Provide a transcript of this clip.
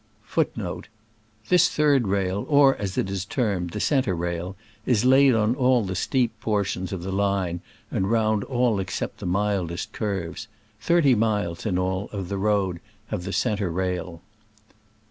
* The engines are provided with two pairs * This third rail, or, as it is termed, " the centre rail," is laid on all the steep portions of the line and round all except the mildest curves. Thirty miles, in all, of the road have the centre rail.